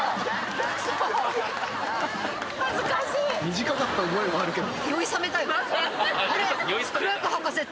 短かった覚えはあるけど。